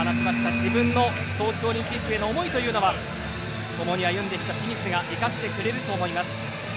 自分の東京オリンピックへの思いというのはともに歩んできた清水が生かしてくれると思います。